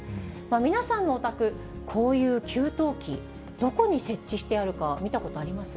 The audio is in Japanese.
皆さんのお宅、こういう給湯器、どこに設置してあるか見たことあります？